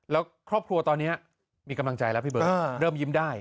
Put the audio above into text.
แล้วครอบครัวตอนนี้มีกำลังใจแล้วพี่เบิร์ตเริ่มยิ้มได้